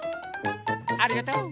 ありがとう。